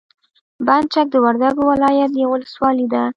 بند چک د وردګو ولایت یوه ولسوالي ده.